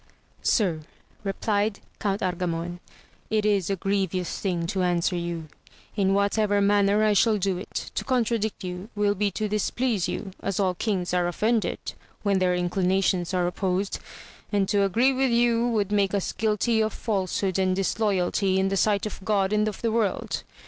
Sir, replied Count Argamon, it is a grievous thing to answer you, in whatever manner I shall do it; to contradict you will be to displease you, as all kings are offended when their inclinations are opposed ; and to agree with you would make us guilty of falsehood and disloyalty in the sight of God and of the world.